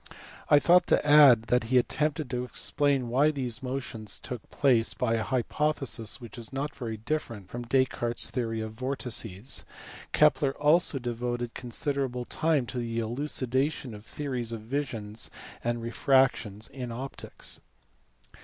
I ought to add that he attempted to explain why these motions took place by a hypothesis which is not very different from Descartes s theory of vortices. Kepler also devoted considerable time to the elucidation of the theories of vision and refraction in optics.